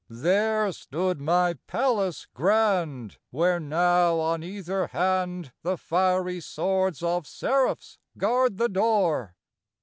There stood my palace grand, Where now, on either hand, The fiery swords of seraphs guard the door.